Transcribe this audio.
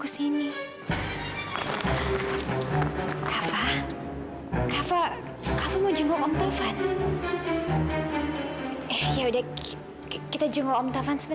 selamat pagi tante